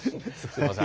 すいません。